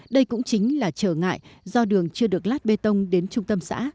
đây cũng chính là trở ngại do đường chưa được lát bê tông đến trung tâm xã